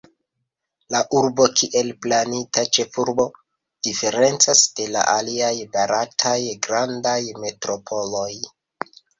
La urbo, kiel planita ĉefurbo, diferencas de la aliaj barataj grandaj metropoloj.